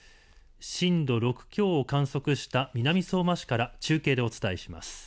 震度６強を観測した南相馬市から中継でお伝えします。